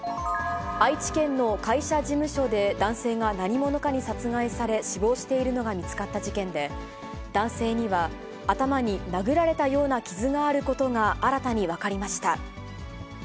愛知県の会社事務所で、男性が何者かに殺害され、死亡しているのが見つかった事件で、男性には頭に殴られたような傷があることが新たに分かりました。